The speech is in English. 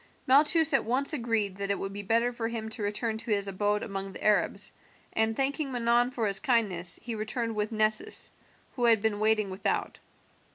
Malchus at once agreed that it would be better for him to return to his abode among the Arabs, and thanking Manon for his kindness he returned with Nessus, who had been waiting without.